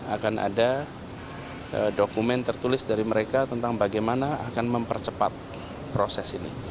akan ada dokumen tertulis dari mereka tentang bagaimana akan mempercepat proses ini